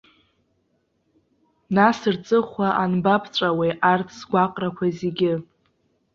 Нас рҵыхәа анбаԥҵәауеи арҭ сгәаҟрақәа зегьы?